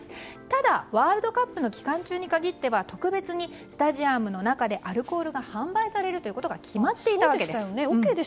ただ、ワールドカップの期間中に限っては特別にスタジアムの中でアルコールが販売されることが決まっていたわけです。